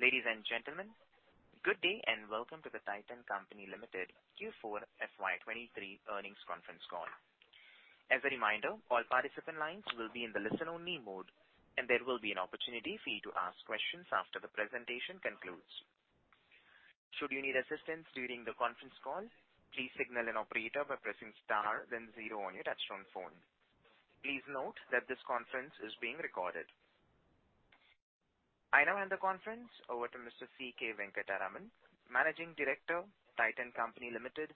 Ladies and gentlemen, good day and welcome to the Titan Company Limited Q4 FY 2023 earnings conference call. As a reminder, all participant lines will be in the listen-only mode, and there will be an opportunity for you to ask questions after the presentation concludes. Should you need assistance during the conference call, please signal an operator by pressing star then zero on your touchtone phone. Please note that this conference is being recorded. I now hand the conference over to Mr. C.K. Venkataraman, Managing Director, Titan Company Limited.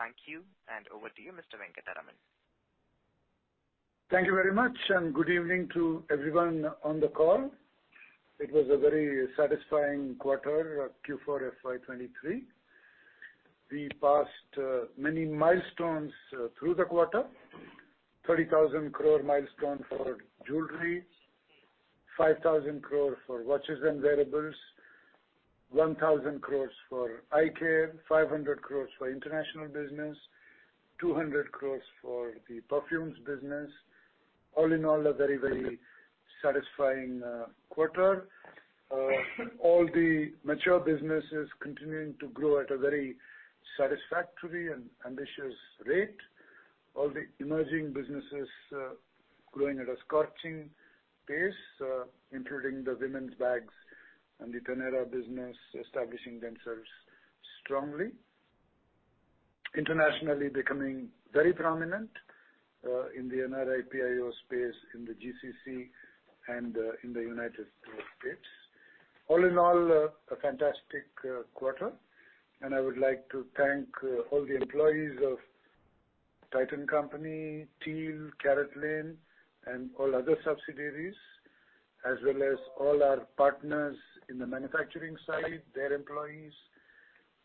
Thank you, and over to you, Mr. Venkataraman. Thank you very much. Good evening to everyone on the call. It was a very satisfying quarter, Q4 FY 2023. We passed many milestones through the quarter. 30,000 crore milestone for jewellery, 5,000 crore for watches and wearables, 1,000 crores for eyecare, 500 crores for international business, 200 crores for the perfumes business. All in all, a very, very satisfying quarter. All the mature businesses continuing to grow at a very satisfactory and ambitious rate. All the emerging businesses growing at a scorching pace, including the women's bags and the Taneira business establishing themselves strongly. Internationally, becoming very prominent in the NRI space, in the GCC and in the United States. All in all, a fantastic quarter, I would like to thank all the employees of Titan Company, TEAL, CaratLane, and all other subsidiaries, as well as all our partners in the manufacturing side, their employees.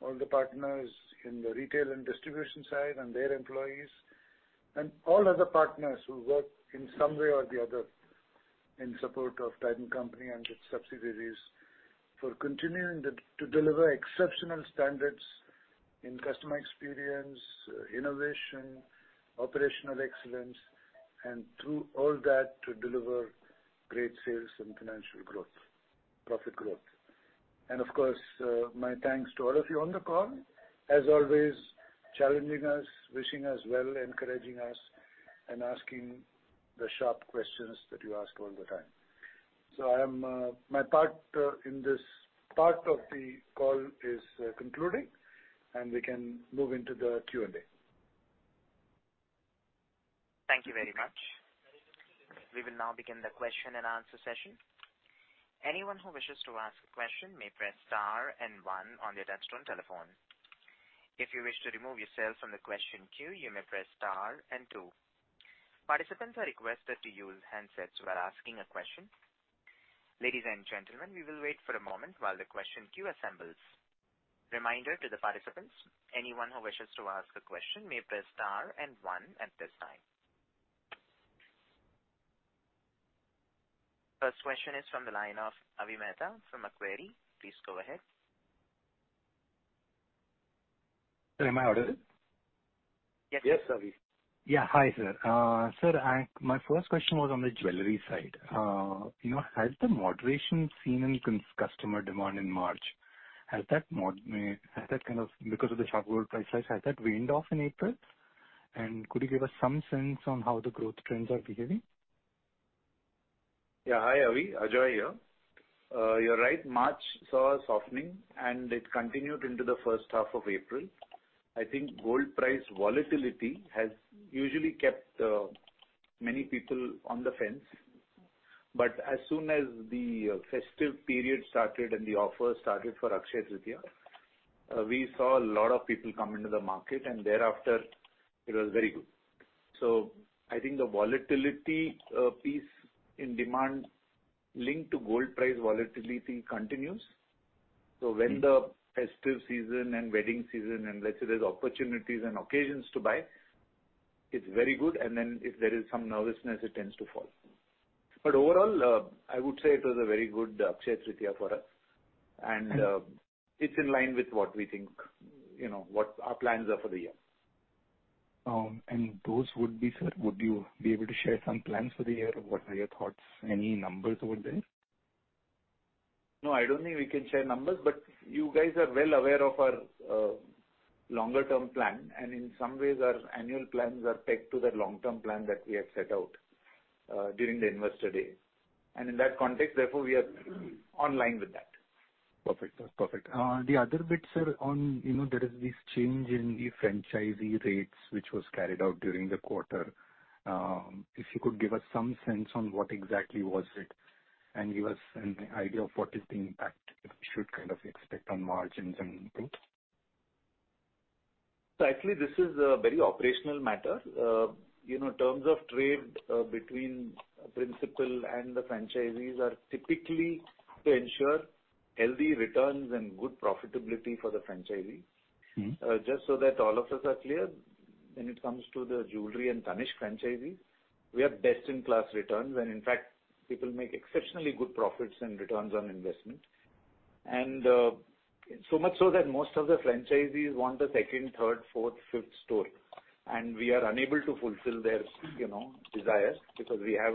All the partners in the retail and distribution side and their employees, all other partners who work in some way or the other in support of Titan Company and its subsidiaries for continuing to deliver exceptional standards in customer experience, innovation, operational excellence, and through all that, to deliver great sales and financial growth, profit growth. Of course, my thanks to all of you on the call. As always, challenging us, wishing us well, encouraging us, and asking the sharp questions that you ask all the time. I am. My part, in this part of the call is concluding, and we can move into the Q&A. Thank you very much. We will now begin the question-and-answer session. Anyone who wishes to ask a question may press star one on their touchtone telephone. If you wish to remove yourself from the question queue, you may press star two. Participants are requested to use handsets while asking a question. Ladies and gentlemen, we will wait for a moment while the question queue assembles. Reminder to the participants, anyone who wishes to ask a question may press star one at this time. First question is from the line of Avi Mehta from Macquarie. Please go ahead. Am I audible? Yes, Avi. Yeah. Hi, sir. Sir, My first question was on the jewelry side. You know, has the moderation seen in customer demand in March, has that kind of... Because of the sharp gold price rise, has that waned off in April? Could you give us some sense on how the growth trends are behaving? Hi, Avi. Ajoy here. You're right, March saw a softening, and it continued into the first half of April. I think gold price volatility has usually kept many people on the fence. As soon as the festive period started and the offers started for Akshaya Tritiya, we saw a lot of people come into the market, and thereafter it was very good. I think the volatility piece in demand linked to gold price volatility continues. When the festive season and wedding season and let's say there's opportunities and occasions to buy, it's very good. If there is some nervousness, it tends to fall. Overall, I would say it was a very good Akshaya Tritiya for us. It's in line with what we think, you know, what our plans are for the year. Those would be, sir, would you be able to share some plans for the year? What are your thoughts? Any numbers over there? I don't think we can share numbers, but you guys are well aware of our longer term plan. In some ways our annual plans are pegged to the long-term plan that we have set out during the Investor Day. In that context, therefore, we are online with that. Perfect. That's perfect. The other bit, sir, on, you know, there is this change in the franchisee rates, which was carried out during the quarter. If you could give us some sense on what exactly was it, and give us an idea of what is the impact we should kind of expect on margins and things? Actually this is a very operational matter. You know, terms of trade, between principal and the franchisees are typically to ensure healthy returns and good profitability for the franchisee. Mm-hmm. Just so that all of us are clear, when it comes to the jewelry and Tanishq franchisee, we have best in class returns. In fact, people make exceptionally good profits and returns on investment. So much so that most of the franchisees want the second, third, fourth, fifth store, and we are unable to fulfill their, you know, desire because we have.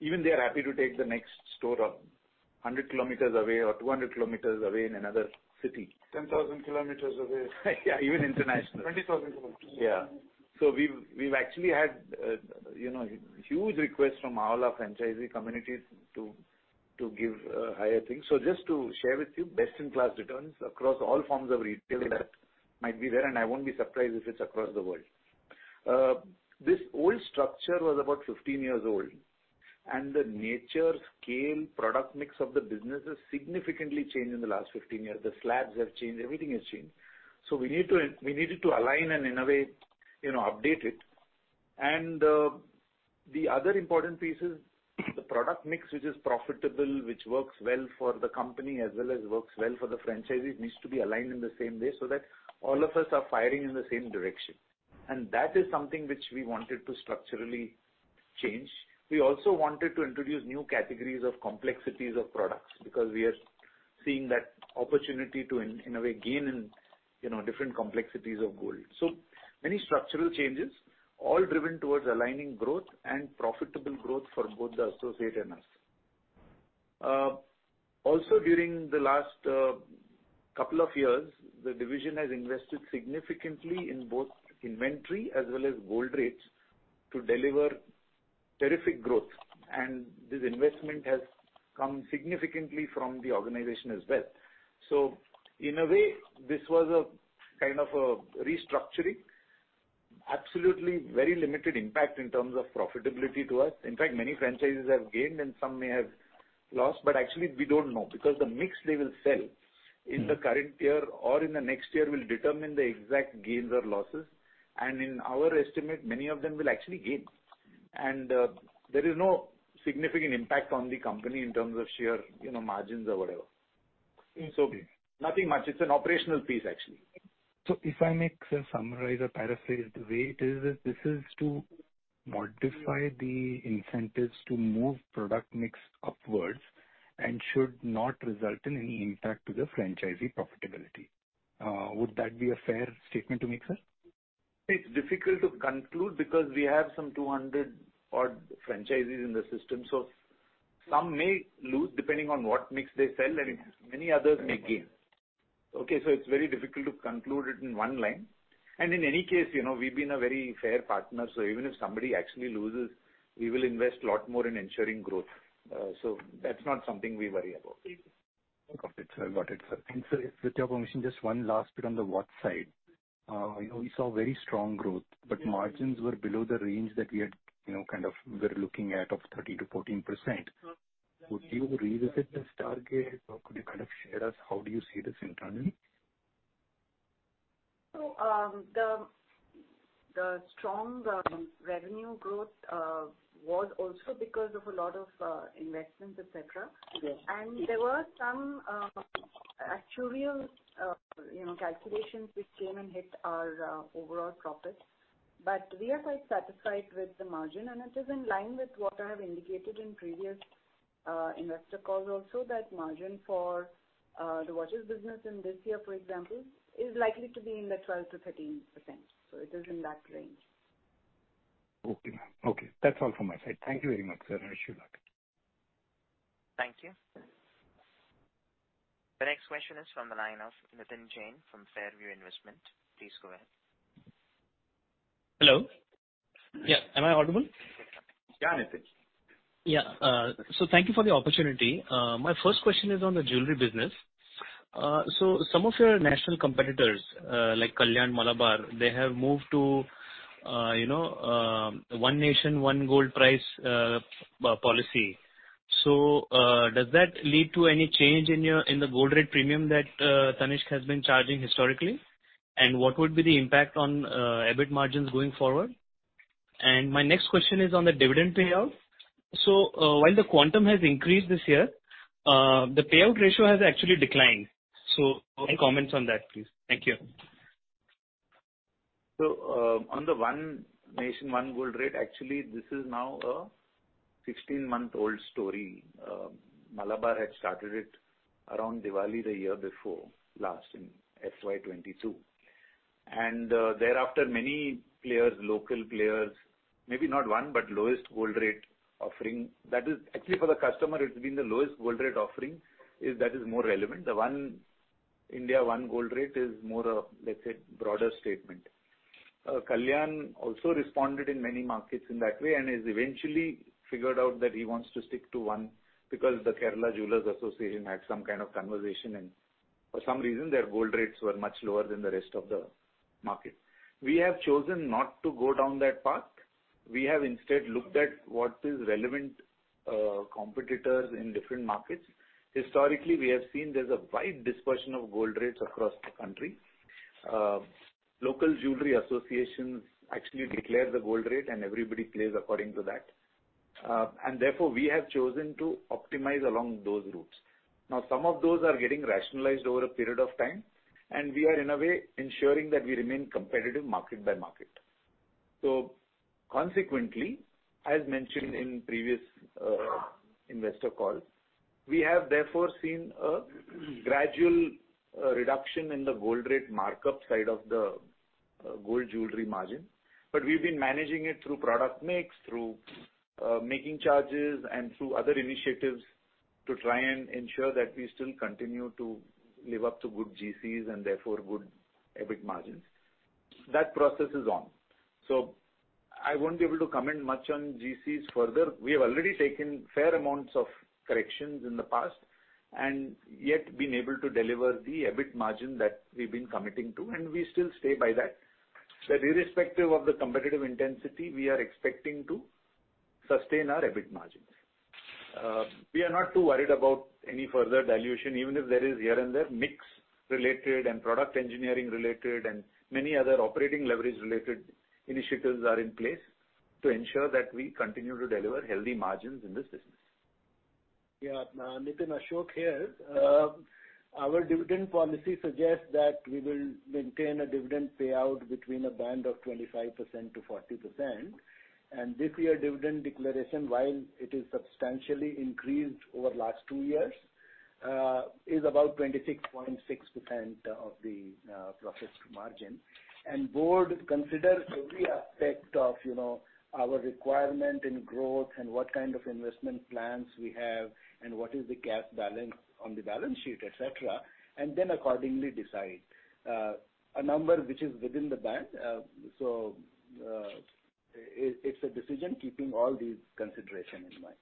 Even they are happy to take the next store 100 km away or 200 km away in another city. 10,000 km away. Yeah, even international. 20,000 km. Yeah. We've actually had, you know, huge requests from all our franchisee communities to give higher things. Just to share with you best-in-class returns across all forms of retail- Yeah. -that might be there, and I won't be surprised if it's across the world. This old structure was about 15 years old, and the nature, scale, product mix of the business has significantly changed in the last 15 years. The slabs have changed, everything has changed. We needed to align and in a way, you know, update it. The other important piece is the product mix, which is profitable, which works well for the company as well as works well for the franchisees, needs to be aligned in the same way, so that all of us are firing in the same direction. That is something which we wanted to structurally change. We also wanted to introduce new categories of complexities of products because we are seeing that opportunity to, in a way, gain in, you know, different complexities of gold. Many structural changes, all driven towards aligning growth and profitable growth for both the associate and us. Also during the last couple of years, the division has invested significantly in both inventory as well as gold rates to deliver terrific growth. This investment has come significantly from the organization as well. In a way, this was a kind of a restructuring. Absolutely very limited impact in terms of profitability to us. In fact, many franchises have gained and some may have lost, but actually we don't know because the mix they will sell- Mm-hmm. In the current year or in the next year will determine the exact gains or losses. In our estimate, many of them will actually gain. There is no significant impact on the company in terms of share, you know, margins or whatever. Okay. Nothing much. It's an operational piece actually. If I may, sir, summarize or paraphrase, the way it is, this is to modify the incentives to move product mix upwards and should not result in any impact to the franchisee profitability. Would that be a fair statement to make, sir? It's difficult to conclude because we have some 200 odd franchises in the system. Some may lose depending on what mix they sell. Mm-hmm. many others may gain. Okay. It's very difficult to conclude it in one line. In any case, you know, we've been a very fair partner, so even if somebody actually loses, we will invest a lot more in ensuring growth. That's not something we worry about. Got it, sir. Sir, with your permission, just one last bit on the watch side. you know, we saw very strong. Yeah. Margins were below the range that we had, you know, kind of were looking at of 13%-14%. Would you revisit this target or could you kind of share us how do you see this internally? The strong revenue growth was also because of a lot of investments, et cetera. Yes. There were some, actuarial, you know, calculations which came and hit our, overall profit. We are quite satisfied with the margin, and it is in line with what I have indicated in previous, investor calls also, that margin for, the watches business in this year, for example, is likely to be in the 12%-13%. It is in that range. Okay. Okay. That's all from my side. Thank you very much, sir, I wish you luck. Thank you. The next question is from the line of Nitin Jain from Fairview Investment. Please go ahead. Hello? Yeah. Am I audible? Yeah, Nitin. Yeah. Thank you for the opportunity. My first question is on the jewelry business. Some of your national competitors, like Kalyan, Malabar, they have moved to, you know, one nation, one gold price policy. Does that lead to any change in your, in the gold rate premium that Tanishq has been charging historically? What would be the impact on EBIT margins going forward? My next question is on the dividend payout. While the quantum has increased this year, the payout ratio has actually declined. Any comments on that, please? Thank you. On the one nation, one gold rate, actually this is now a 16-month-old story. Malabar had started it around Diwali the year before last in FY 2022. Thereafter many players, local players, maybe not one, but lowest gold rate offering. Actually for the customer, it's been the lowest gold rate offering is that is more relevant. The one India, one gold rate is more a, let's say, broader statement. Kalyan also responded in many markets in that way and has eventually figured out that he wants to stick to one because the Kerala Jewellers Association had some kind of conversation and for some reason their gold rates were much lower than the rest of the market. We have chosen not to go down that path. We have instead looked at what is relevant, competitors in different markets. Historically, we have seen there's a wide dispersion of gold rates across the country. Local jewelry associations actually declare the gold rate and everybody plays according to that. Therefore, we have chosen to optimize along those routes. Some of those are getting rationalized over a period of time, we are in a way ensuring that we remain competitive market by market. Consequently, as mentioned in previous investor call, we have therefore seen a gradual reduction in the gold rate markup side of the gold jewelry margin. We've been managing it through product mix, through making charges and through other initiatives to try and ensure that we still continue to live up to good GCs and therefore good EBIT margins. That process is on. I won't be able to comment much on GCs further. We have already taken fair amounts of corrections in the past, yet been able to deliver the EBIT margin that we've been committing to, and we still stay by that. Irrespective of the competitive intensity, we are expecting to sustain our EBIT margin. We are not too worried about any further dilution, even if there is here and there mix related and product engineering related and many other operating leverage related initiatives are in place to ensure that we continue to deliver healthy margins in this business. Yeah. Ashok Sonthalia here. Our dividend policy suggests that we will maintain a dividend payout between a band of 25%-40%. This year dividend declaration, while it is substantially increased over last two years, is about 26.6% of the profits margin. Board considers every aspect of, you know, our requirement in growth and what kind of investment plans we have and what is the cash balance on the balance sheet, et cetera, and then accordingly decide a number which is within the band. It's a decision keeping all these consideration in mind.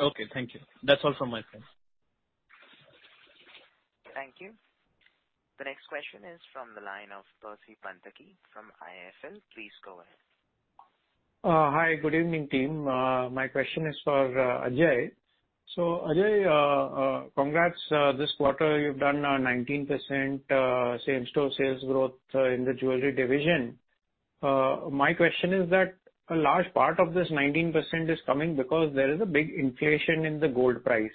Okay, thank you. That's all from my side. Thank you. The next question is from the line of Percy Panthaki from IIFL. Please go ahead. Hi. Good evening, team. My question is for Ajoy. Ajoy, congrats, this quarter you've done 19% same-store sales growth in the jewelry division. My question is that a large part of this 19% is coming because there is a big inflation in the gold price.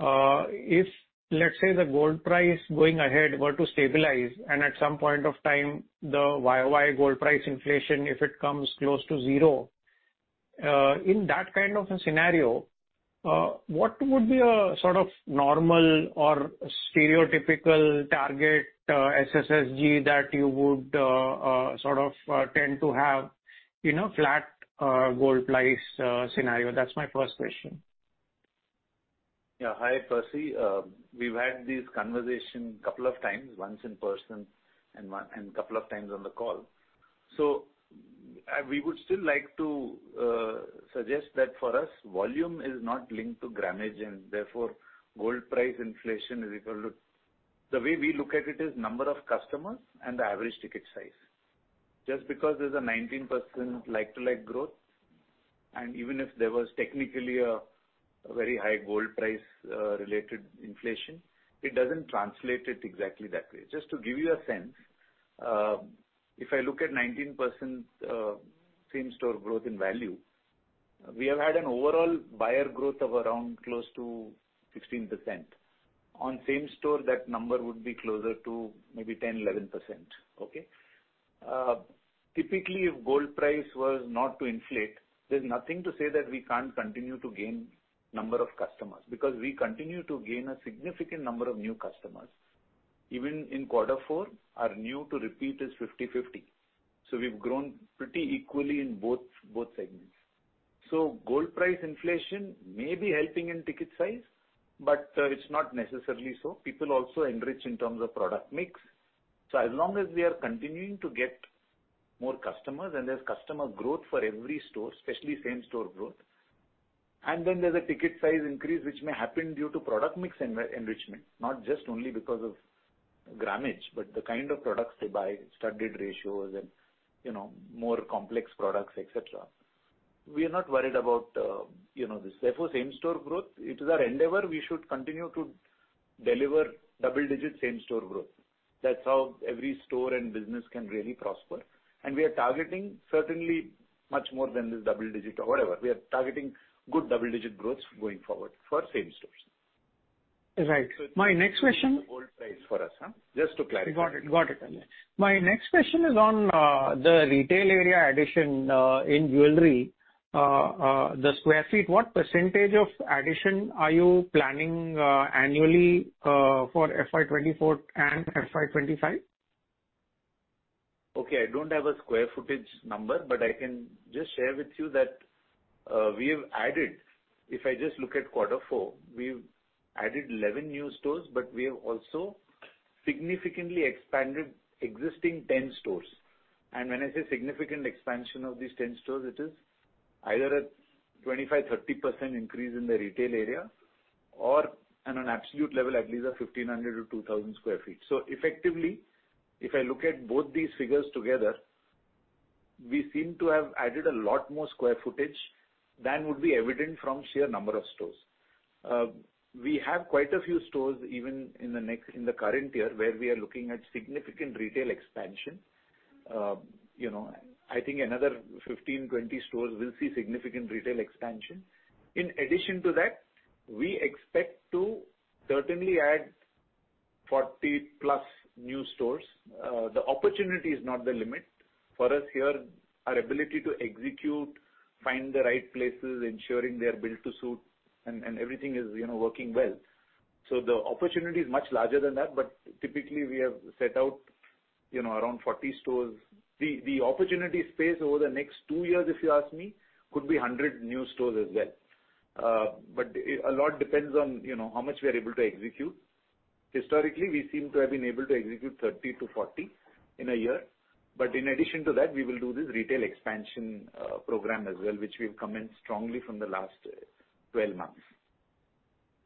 If, let's say, the gold price going ahead were to stabilize and at some point of time the YoY gold price inflation, if it comes close to zero, in that kind of a scenario, what would be a sort of normal or stereotypical target SSSG that you would sort of tend to have in a flat gold price scenario? That's my first question. Hi, Percy. we've had this conversation couple of times, once in person and couple of times on the call. We would still like to suggest that for us, volume is not linked to grammage and therefore gold price inflation is equal to... The way we look at it is number of customers and the average ticket size. Just because there's a 19% like-to-like growth, and even if there was technically a very high gold price related inflation, it doesn't translate it exactly that way. Just to give you a sense, if I look at 19% same-store growth in value, we have had an overall buyer growth of around close to 16%. On same store, that number would be closer to maybe 10%-11%. Okay? Typically, if gold price was not to inflate, there's nothing to say that we can't continue to gain number of customers, because we continue to gain a significant number of new customers. Even in quarter four, our new to repeat is 50/50. We've grown pretty equally in both segments. Gold price inflation may be helping in ticket size, but it's not necessarily so. People also enrich in terms of product mix. As long as we are continuing to get more customers, and there's customer growth for every store, especially same-store growth, and then there's a ticket size increase which may happen due to product mix enrichment, not just only because of grammage, but the kind of products they buy, studded ratios and, you know, more complex products, et cetera. We are not worried about, you know, this. Therefore, same-store growth, it is our endeavor we should continue to deliver double-digit same-store growth. That's how every store and business can really prosper. We are targeting certainly much more than this double-digit or whatever. We are targeting good double-digit growth going forward for same stores. Right. My next question. Gold price for us, huh? Just to clarify. Got it. Got it. Yeah. My next question is on the retail area addition in jewelry. The square feet, what percentage of addition are you planning annually for FY 2024 and FY 2025? Okay, I don't have a square footage number, but I can just share with you that, we've added... If I just look at quarter four, we've added 11 new stores, but we have also significantly expanded existing 10 stores. When I say significant expansion of these 10 stores, it is either a 25%-30% increase in the retail area or on an absolute level, at least a 1,500-2,000 sq ft. Effectively, if I look at both these figures together, we seem to have added a lot more square footage than would be evident from sheer number of stores. We have quite a few stores, even in the current year, where we are looking at significant retail expansion. you know, I think another 15-20 stores will see significant retail expansion. In addition to that, we expect to certainly add 40+ new stores. The opportunity is not the limit. For us here, our ability to execute, find the right places, ensuring they are built to suit and everything is, you know, working well. The opportunity is much larger than that, but typically we have set out, you know, around 40 stores. The opportunity space over the next two years, if you ask me, could be 100 new stores as well. A lot depends on, you know, how much we are able to execute. Historically, we seem to have been able to execute 30-40 in a year. In addition to that, we will do this retail expansion program as well, which we've commenced strongly from the last 12 months.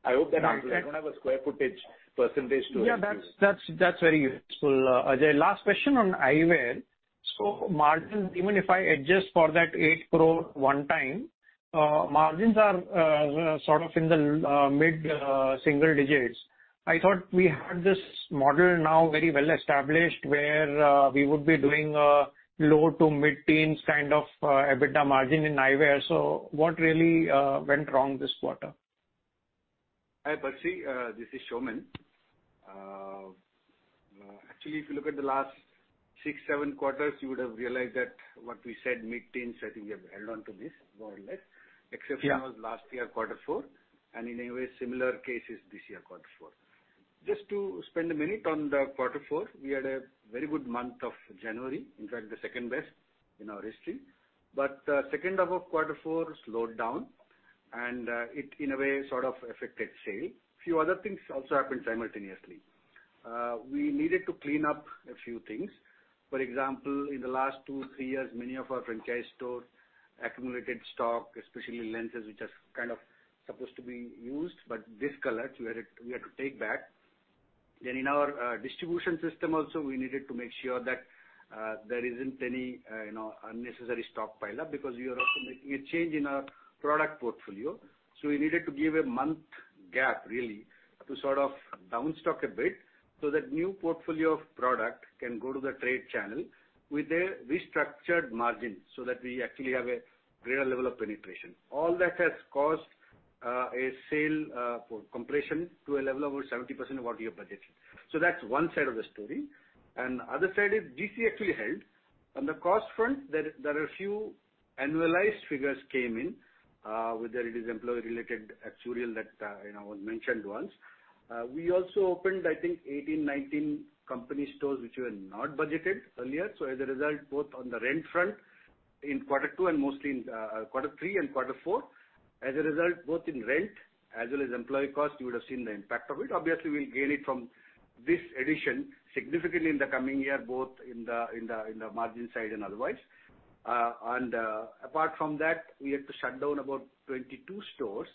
I hope that answers. I don't have a square footage percentage. Yeah, that's very useful, Ajoy. Last question on Eyewear. Margins, even if I adjust for that 8 crore one time, margins are sort of in the mid single digits. I thought we had this model now very well established, where we would be doing low to mid-teens kind of EBITDA margin in Eyewear. What really went wrong this quarter? Hi, Percy. This is Saumen. Actually, if you look at the last six, seven quarters, you would have realized that what we said mid-teens, I think we have held on to this more or less. Yeah. Exception was last year, quarter four. In a way similar case is this year, quarter four. Just to spend a minute on the quarter four, we had a very good month of January, in fact, the second-best in our history. The second half of quarter four slowed down, it in a way sort of affected sale. Few other things also happened simultaneously. We needed to clean up a few things. For example, in the last two, three years, many of our franchise stores accumulated stock, especially lenses, which are kind of supposed to be used, but discolored. We had to take back. Then in our distribution system also, we needed to make sure that there isn't any, you know, unnecessary stock pile up because we are also making a change in our product portfolio. We needed to give a month gap really to sort of downstock a bit so that new portfolio of product can go to the trade channel with a restructured margin, so that we actually have a greater level of penetration. All that has caused a sale compression to a level of over 70% of what we have budgeted. That's one side of the story. The other side is DC actually held. On the cost front, there are a few annualized figures came in, whether it is employee related actuarial that, you know, was mentioned once. We also opened I think 18, 19 company stores which were not budgeted earlier. As a result, both on the rent front in quarter two and mostly in quarter three and quarter four. As a result, both in rent as well as employee costs, you would have seen the impact of it. Obviously, we'll gain it from this addition significantly in the coming year, both in the margin side and otherwise. apart from that, we had to shut down about 22 stores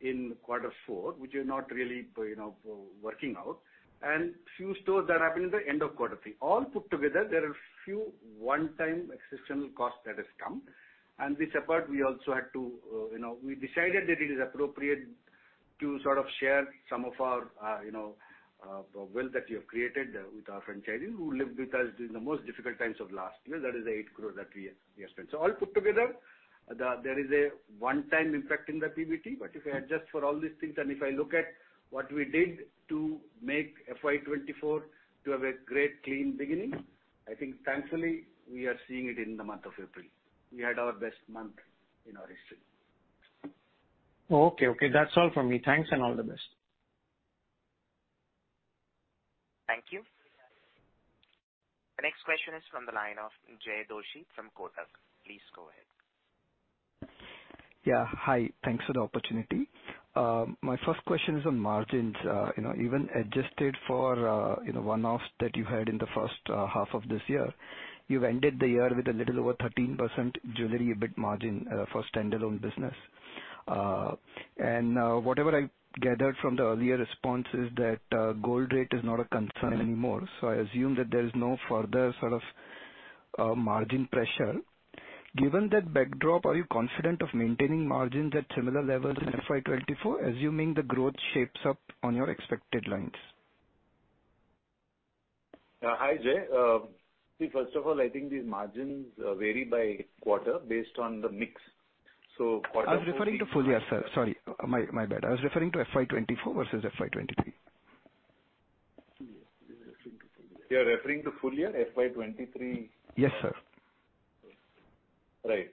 in quarter four, which are not really, you know, working out, and few stores that happened in the end of quarter three. All put together, there are a few one-time exceptional costs that has come. This apart, we also had to, you know, we decided that it is appropriate to sort of share some of our, you know, wealth that we have created with our franchising, who lived with us during the most difficult times of last year. That is the 8 crore that we have spent. All put together, there is a one-time impact in the PBT. If I adjust for all these things, and if I look at what we did to make FY 2024 to have a great clean beginning, I think thankfully, we are seeing it in the month of April. We had our best month in our history. Okay, okay. That's all from me. Thanks and all the best. Thank you. The next question is from the line of Jaykumar Doshi from Kotak. Please go ahead. Yeah. Hi. Thanks for the opportunity. My first question is on margins. You know, even adjusted for, you know, one-offs that you had in the first, half of this year, you've ended the year with a little over 13% jewellery EBIT margin, for standalone business. Whatever I gathered from the earlier response is that, gold rate is not a concern anymore. I assume that there is no further sort of, margin pressure. Given that backdrop, are you confident of maintaining margins at similar levels in FY 2024, assuming the growth shapes up on your expected lines? Hi, Jay. See, first of all, I think these margins vary by quarter based on the mix. Quarter four- I was referring to full year, sir. Sorry. My, my bad. I was referring to FY2024 versus FY 2023. You're referring to full year FY 2023? Yes, sir. Right.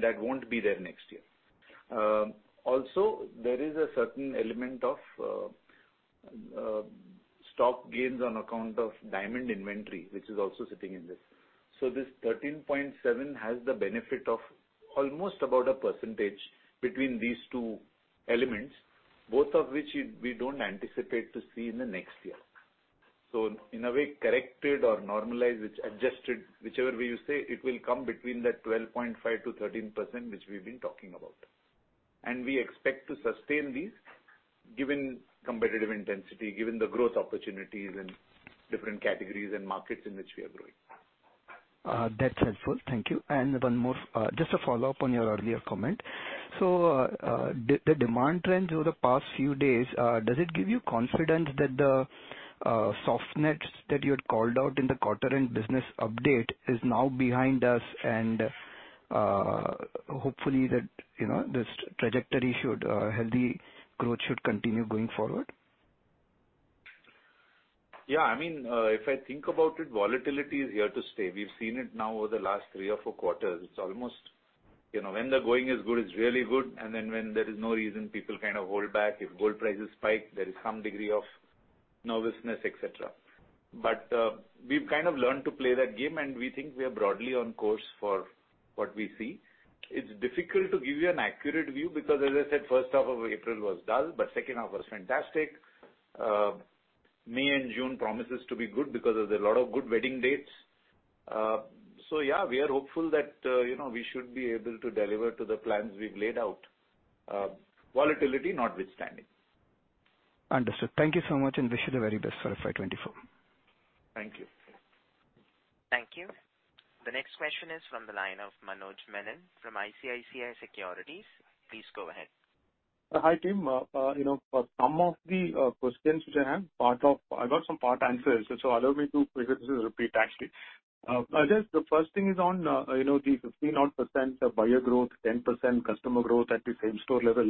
That won't be there next year. Also, there is a certain element of stock gains on account of diamond inventory, which is also sitting in this. This 13.7 has the benefit of almost about a percentage between these two elements, both of which we don't anticipate to see in the next year. In a way, corrected or normalized, which adjusted whichever way you say, it will come between that 12.5%-13%, which we've been talking about. We expect to sustain these given competitive intensity, given the growth opportunities in different categories and markets in which we are growing. That's helpful. Thank you. One more, just a follow-up on your earlier comment. The demand trend over the past few days, does it give you confidence that the softness that you had called out in the quarter end business update is now behind us and, hopefully that, you know, this trajectory should, healthy growth should continue going forward? Yeah. I mean, if I think about it, volatility is here to stay. We've seen it now over the last three or four quarters. It's almost, you know, when the going is good, it's really good when there is no reason, people kind of hold back. If gold prices spike, there is some degree of nervousness, et cetera. We've kind of learned to play that game, and we think we are broadly on course for what we see. It's difficult to give you an accurate view because as I said, first half of April was dull, but second half was fantastic. May and June promises to be good because there's a lot of good wedding dates. Yeah, we are hopeful that, you know, we should be able to deliver to the plans we've laid out, volatility notwithstanding. Understood. Thank you so much, and wish you the very best for FY 2024. Thank you. Thank you. The next question is from the line of Manoj Menon from ICICI Securities. Please go ahead. Hi, team. you know, for some of the questions which I have, I got some part answers, so allow me to because this is a repeat actually. I guess the first thing is on, you know, the 15% odd of buyer growth, 10% customer growth at the same-store level.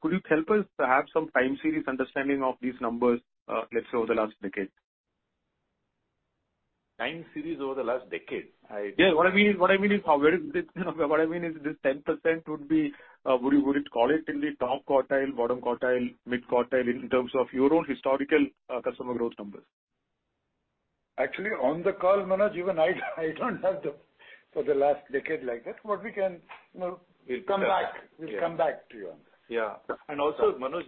Could you help us to have some time series understanding of these numbers, let's say over the last decade? Time series over the last decade? Yeah. What I mean is this 10% would be, would you call it in the top quartile, bottom quartile, mid quartile in terms of your own historical customer growth numbers? Actually, on the call, Manoj, even I don't have the for the last decade like that. What we can, you know, we'll come back. Yeah. We'll come back to you on that. Yeah. Also, Manoj,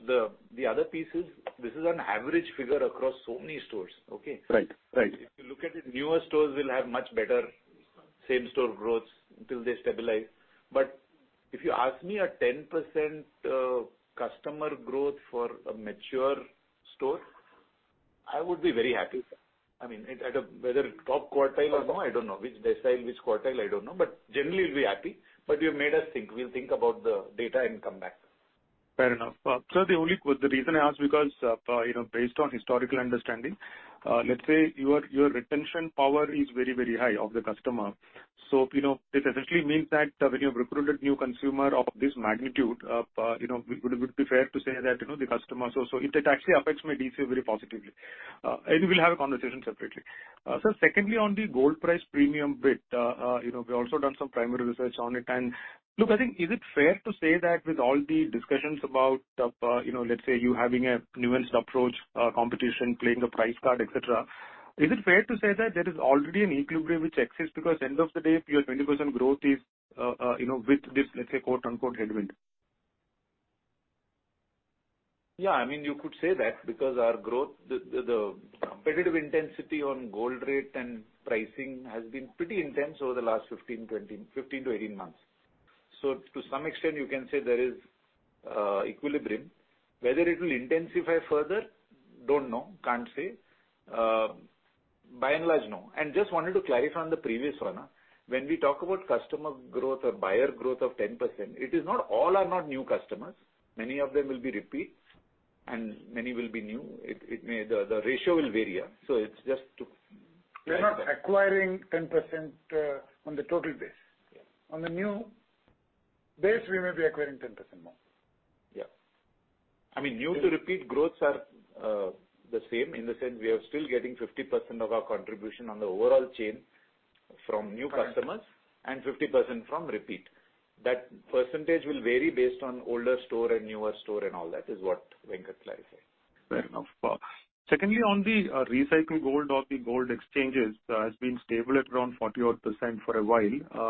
the other piece is this is an average figure across so many stores, okay? Right. Right. If you look at it, newer stores will have much better same-store growths until they stabilize. If you ask me a 10% customer growth for a mature store, I would be very happy. I mean, whether top quartile or no, I don't know. Which decile, which quartile, I don't know. Generally we'll be happy. You've made us think. We'll think about the data and come back. Fair enough. Sir, the only reason I ask because, you know, based on historical understanding, let's say your retention power is very, very high of the customer. You know, it essentially means that when you've recruited new consumer of this magnitude, you know, would it be fair to say that, you know, the customers or so it actually affects my DC very positively. We'll have a conversation separately. Secondly, on the gold price premium bit, you know, we've also done some primary research on it. Look, I think is it fair to say that with all the discussions about, you know, let's say you having a nuanced approach, competition, playing the price card, et cetera, is it fair to say that there is already an equilibrium which exists? End of the day, your 20% growth is, you know, with this, let's say, quote-unquote, headwind. Yeah. I mean, you could say that because our growth, the competitive intensity on gold rate and pricing has been pretty intense over the last 15, 20, 15 months-18 months. To some extent you can say there is equilibrium. Whether it will intensify further, don't know, can't say. By and large, no. Just wanted to clarify on the previous one. When we talk about customer growth or buyer growth of 10%, it is not all are not new customers. Many of them will be repeats and many will be new. The ratio will vary, yeah. We're not acquiring 10%, on the total base. Yeah. On the new base, we may be acquiring 10% more. Yeah. I mean, new to repeat growths are the same in the sense we are still getting 50% of our contribution on the overall chain from new customers. Correct. 50% from repeat. That percentage will vary based on older store and newer store and all that, is what Venkat clarified. Fair enough. Secondly, on the recycled gold or the gold exchanges, has been stable at around 40% for a while.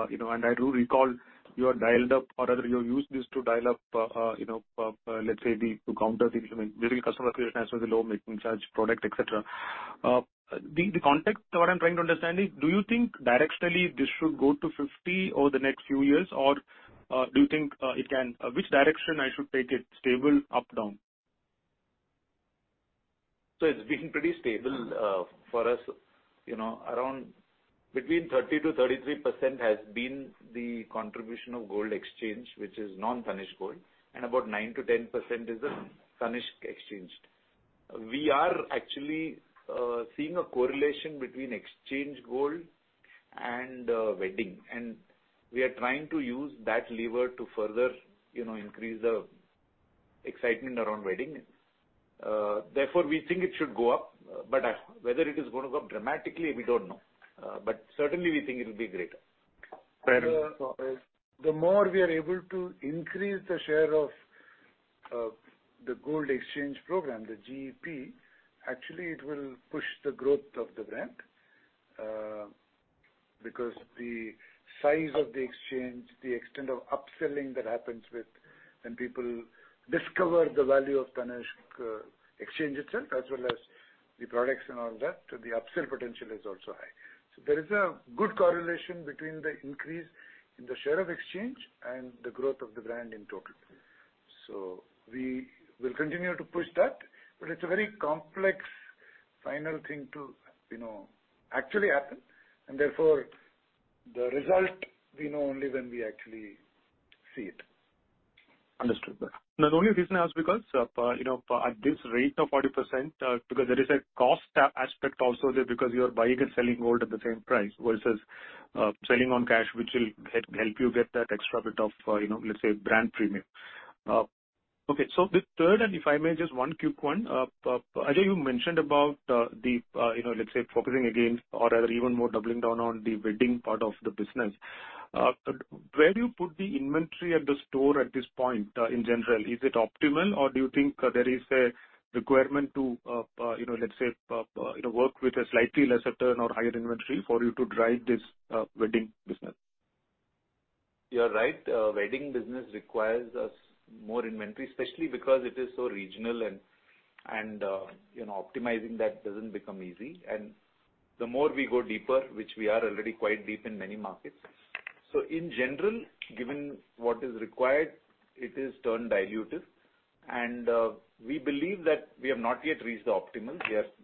You know, I do recall you have dialed up or rather you have used this to dial up, you know, let's say to counter the, you know, building customer acquisition as well, making such product, et cetera. The context what I'm trying to understand is, do you think directionally this should go to 50 over the next few years? Do you think it can? Which direction I should take it, stable, up, down? It's been pretty stable, for us, you know, around between 30%-33% has been the contribution of gold exchange, which is non-Tanishq gold, and about 9%-10% is the Tanishq exchanged. We are actually seeing a correlation between exchange gold and wedding, and we are trying to use that lever to further, you know, increase the excitement around wedding. Therefore, we think it should go up, whether it is gonna go up dramatically, we don't know. Certainly we think it'll be greater. Fair enough. The more we are able to increase the share of the gold exchange program, the GEP, actually it will push the growth of the brand because the size of the exchange, the extent of upselling that happens with when people discover the value of Tanishq exchange itself, as well as the products and all that, the upsell potential is also high. There is a good correlation between the increase in the share of exchange and the growth of the brand in total. We will continue to push that, but it's a very complex final thing to, you know, actually happen, and therefore, the result we know only when we actually see it. Understood. The only reason I ask because, you know, at this rate of 40%, because there is a cost aspect also there because you are buying and selling gold at the same price versus, selling on cash, which will help you get that extra bit of, you know, let's say brand premium. Okay. The third, and if I may, just one quick one. Sir, you mentioned about, the, you know, let's say focusing again or even more doubling down on the wedding part of the business. Where do you put the inventory at the store at this point in general? Is it optimal or do you think there is a requirement to, you know, let's say, work with a slightly lesser turn or higher inventory for you to drive this, wedding business? You're right. Wedding business requires us more inventory, especially because it is so regional and, you know, optimizing that doesn't become easy. The more we go deeper, which we are already quite deep in many markets. In general, given what is required, it is turn dilutive. We believe that we have not yet reached the optimal.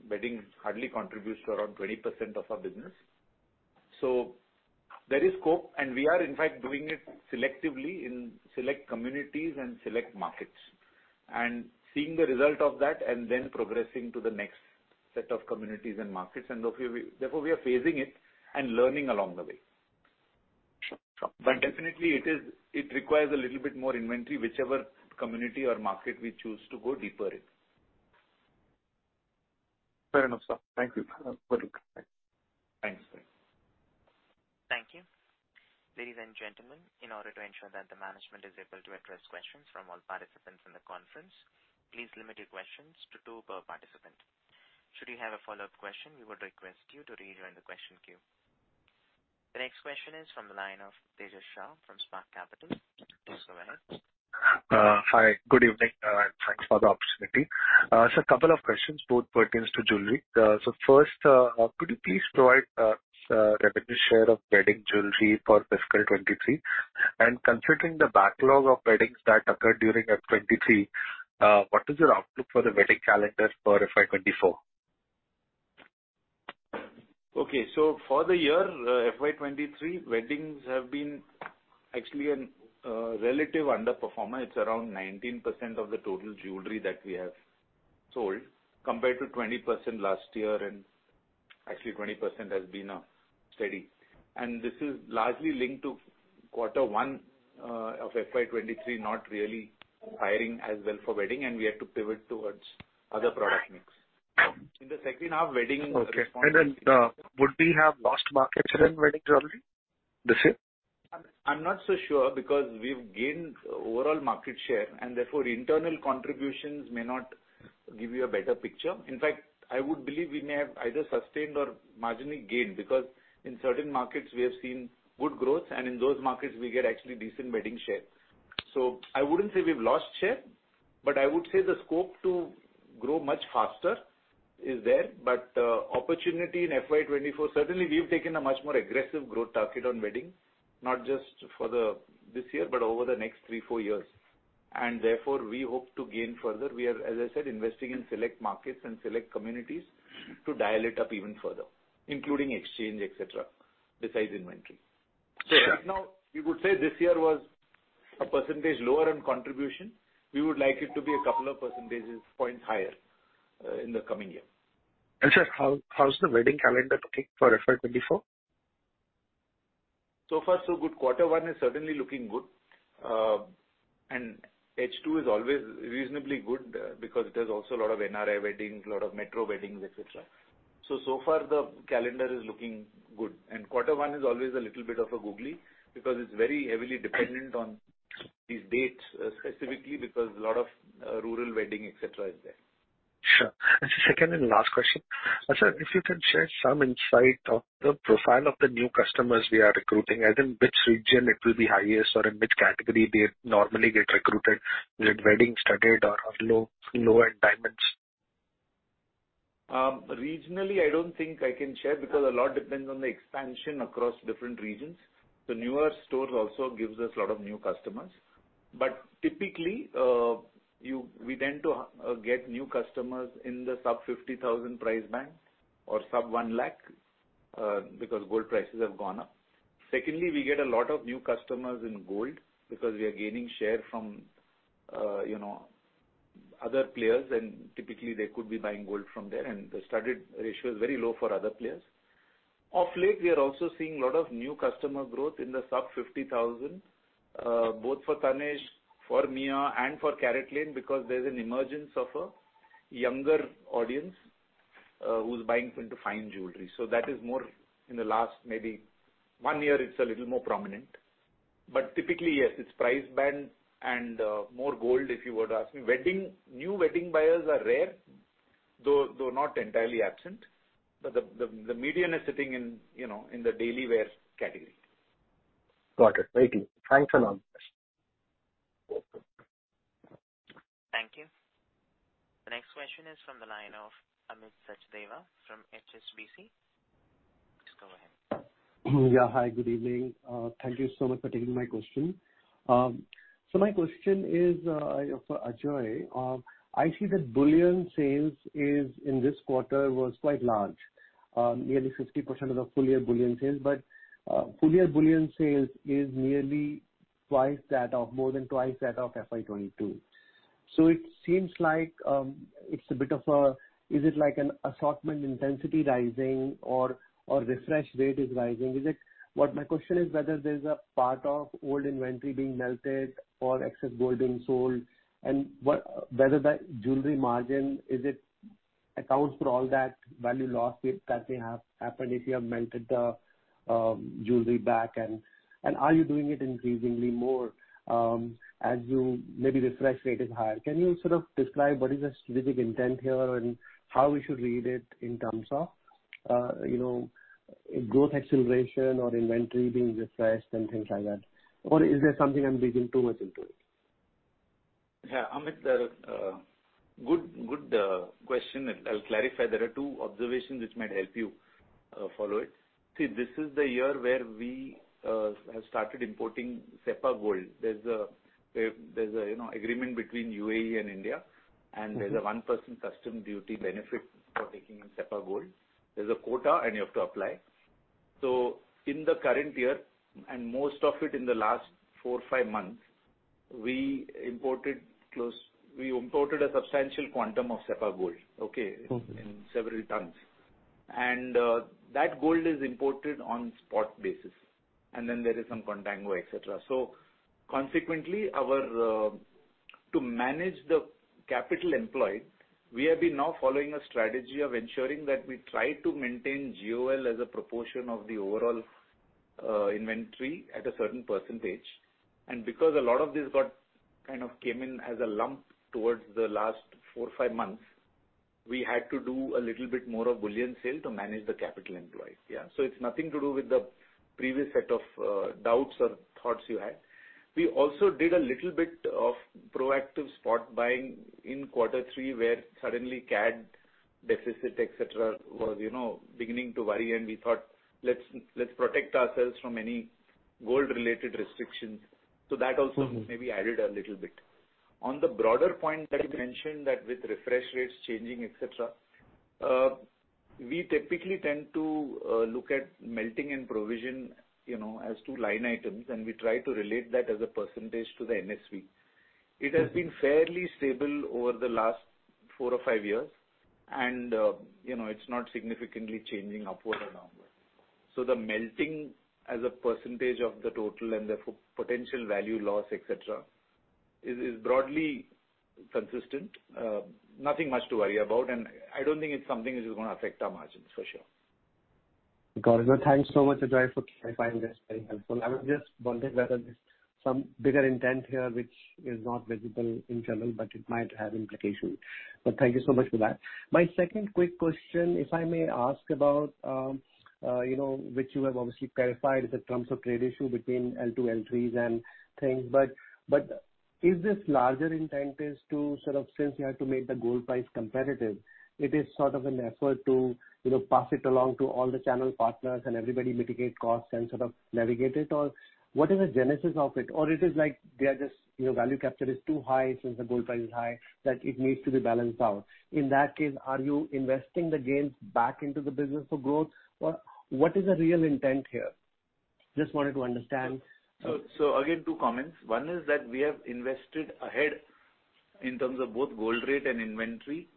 Wedding hardly contributes to around 20% of our business. There is scope and we are in fact doing it selectively in select communities and select markets and seeing the result of that and then progressing to the next set of communities and markets. Therefore we are phasing it and learning along the way. Definitely it is, it requires a little bit more inventory, whichever community or market we choose to go deeper in. Fair enough, sir. Thank you. Over to you. Thanks. Thank you. Ladies and gentlemen, in order to ensure that the management is able to address questions from all participants in the conference, please limit your questions to two per participant. Should you have a follow-up question, we would request you to rejoin the question queue. The next question is from the line of Tejas Shah from Spark Capital. Please go ahead. Hi, good evening, thanks for the opportunity. Sir, couple of questions, both pertains to jewelry. First, could you please provide us revenue share of wedding jewelry for fiscal 2023? Considering the backlog of weddings that occurred during FY 2023, what is your outlook for the wedding calendar for FY 2024? Okay. For the year FY 2023, weddings have been actually a relative underperformer. It's around 19% of the total jewelry that we have sold compared to 20% last year. Actually 20% has been a steady. This is largely linked to quarter one of FY 2023, not really firing as well for wedding, and we had to pivot towards other product mix. In the second half wedding- Okay. Would we have lost market share in wedding jewelry this year? I'm not so sure because we've gained overall market share and therefore internal contributions may not give you a better picture. In fact, I would believe we may have either sustained or marginally gained because in certain markets we have seen good growth and in those markets we get actually decent wedding share. I wouldn't say we've lost share, but I would say the scope to grow much faster is there. Opportunity in FY 2024, certainly we've taken a much more aggressive growth target on wedding, not just for the this year, but over the next three, four years. Therefore, we hope to gain further. We are, as I said, investing in select markets and select communities to dial it up even further, including exchange, et cetera, besides inventory. Sure. Right now we would say this year was a percentage lower in contribution. We would like it to be a couple of percentage points higher, in the coming year. Sir, how's the wedding calendar looking for FY 2024? So far, so good. Quarter one is certainly looking good. H2 is always reasonably good because it has also a lot of NRI weddings, a lot of metro weddings, etc. So far the calendar is looking good and quarter one is always a little bit of a googly because it's very heavily dependent on these dates specifically because a lot of rural wedding, et cetera, is there. Sure. Second and last question. Sir, if you can share some insight of the profile of the new customers we are recruiting, as in which region it will be highest or in which category they normally get recruited. Is it wedding, studded or low-end diamonds? Regionally, I don't think I can share because a lot depends on the expansion across different regions. The newer stores also gives us a lot of new customers. Typically, we tend to get new customers in the sub 50,000 price band or sub 1 lakh because gold prices have gone up. Secondly, we get a lot of new customers in gold because we are gaining share from, you know, other players and typically they could be buying gold from there and the studded ratio is very low for other players. Of late we are also seeing a lot of new customer growth in the sub 50,000 both for Tanishq, for Mia and for CaratLane because there's an emergence of a younger audience who's buying into fine jewelry. That is more in the last maybe one year it's a little more prominent. Typically, yes, it's price band and more gold if you were to ask me. Wedding, new wedding buyers are rare, though not entirely absent. The median is sitting in, you know, in the daily wear category. Got it. Thank you. Thanks a lot. Thank you. The next question is from the line of Amit Sachdeva from HSBC. Please go ahead. Hi, good evening. Thank you so much for taking my question. My question is for Ajoy. I see that bullion sales is, in this quarter, was quite large. Nearly 50% of the full year bullion sales. Full year bullion sales is more than twice that of FY 2022. It seems like it's a bit of a... Is it like an assortment intensity rising or refresh rate is rising? My question is whether there's a part of old inventory being melted or excess gold being sold, whether the jewelry margin, is it accounts for all that value loss that may have happened if you have melted the jewelry back. Are you doing it increasingly more as you maybe refresh rate is higher? Can you sort of describe what is the strategic intent here and how we should read it in terms of, you know, growth acceleration or inventory being refreshed and things like that? Or is there something I'm reading too much into it? Yeah. Amit, good question. I'll clarify. There are two observations which might help you follow it. This is the year where we have started importing CEPA gold. There's a, you know, agreement between UAE and India, there's a 1% custom duty benefit for taking in CEPA gold. There's a quota, and you have to apply. In the current year, and most of it in the last four, five months, we imported a substantial quantum of CEPA gold, okay? Okay. In several tons. That gold is imported on spot basis, and then there is some contango, et cetera. Consequently, our. To manage the capital employed, we have been now following a strategy of ensuring that we try to maintain GOL as a proportion of the overall inventory at a certain percentage. Because a lot of this got, kind of came in as a lump towards the last four, five months, we had to do a little bit more of bullion sale to manage the capital employed. Yeah. It's nothing to do with the previous set of doubts or thoughts you had. We also did a little bit of proactive spot buying in quarter three, where suddenly CAD deficit, et cetera, was, you know, beginning to worry and we thought, "Let's protect ourselves from any gold related restrictions." That also. Mm-hmm. maybe added a little bit. On the broader point that you mentioned that with refresh rates changing, et cetera, we typically tend to look at melting and provision, you know, as two line items, and we try to relate that as a percentage to the NSV. It has been fairly stable over the last four or five years and, you know, it's not significantly changing upward or downward. The melting as a percentage of the total and the potential value loss, et cetera, is broadly consistent. Nothing much to worry about, and I don't think it's something which is gonna affect our margins for sure. Got it. Thanks so much, Ajoy, for clarifying this. Very helpful. I was just wondering whether there's some bigger intent here which is not visible in channel, but it might have implications. Thank you so much for that. My second quick question, if I may ask about, you know, which you have obviously clarified is the terms of trade issue between L2, L3s and things. Is this larger intent is to sort of since you have to make the gold price competitive, it is sort of an effort to, you know, pass it along to all the channel partners and everybody mitigate costs and sort of navigate it all. What is the genesis of it? Or it is like they are just, you know, value capture is too high since the gold price is high, that it needs to be balanced out. In that case, are you investing the gains back into the business for growth? Or what is the real intent here? Just wanted to understand. Again, two comments. One is that we have invested ahead in terms of both gold rate and inventory-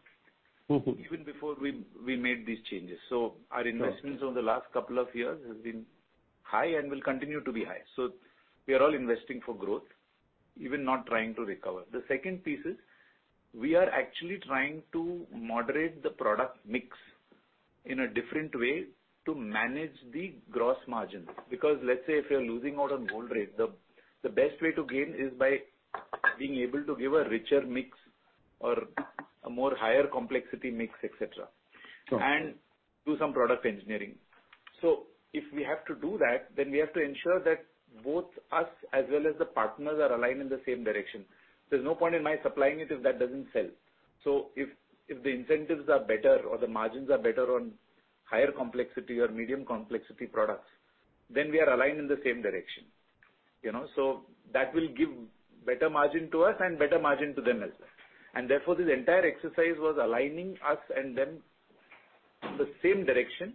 Mm-hmm. even before we made these changes. Sure. Our investments over the last couple of years has been high and will continue to be high. We are all investing for growth, even not trying to recover. The second piece is we are actually trying to moderate the product mix in a different way to manage the gross margin. Let's say if you're losing out on gold rate, the best way to gain is by being able to give a richer mix or a more higher complexity mix, et cetera. Sure. Do some product engineering. If we have to do that, then we have to ensure that both us as well as the partners are aligned in the same direction. There's no point in my supplying it if that doesn't sell. If the incentives are better or the margins are better on higher complexity or medium complexity products, then we are aligned in the same direction. You know? That will give better margin to us and better margin to them as well. Therefore, this entire exercise was aligning us and them the same direction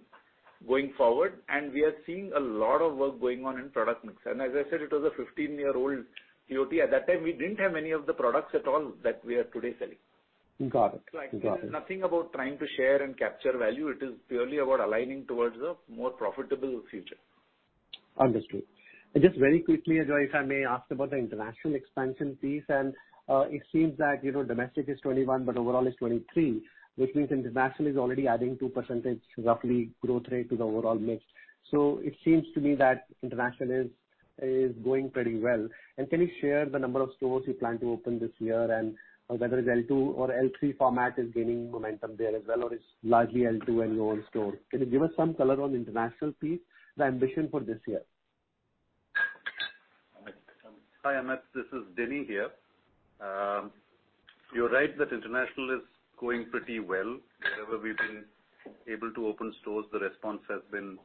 going forward. We are seeing a lot of work going on in product mix. As I said, it was a 15-year-old COT. At that time, we didn't have many of the products at all that we are today selling. Got it. Got it. Actually, it's nothing about trying to share and capture value. It is purely about aligning towards a more profitable future. Understood. Just very quickly, Ajoy, if I may ask about the international expansion piece. It seems that, you know, domestic is 21, but overall is 23, which means international is already adding 2%, roughly growth rate to the overall mix. It seems to me that international is going pretty well. Can you share the number of stores you plan to open this year and whether it's L2 or L3 format is gaining momentum there as well, or it's largely L2 and your own stores? Can you give us some color on international piece, the ambition for this year? Hi, Amit, this is Denny here. You're right, that international is going pretty well. Wherever we've been able to open stores, the response has been